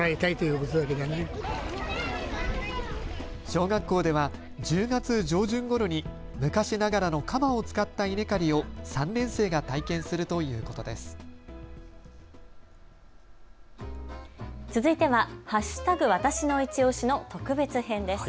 小学校では１０月上旬ごろに昔ながらの鎌を使った稲刈りを３年生が体験するということです。